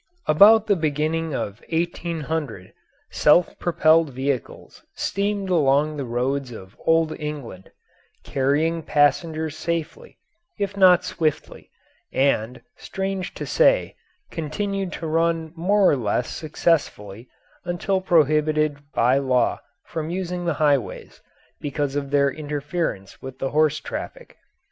About the beginning of 1800, self propelled vehicles steamed along the roads of Old England, carrying passengers safely, if not swiftly, and, strange to say, continued to run more or less successfully until prohibited by law from using the highways, because of their interference with the horse traffic.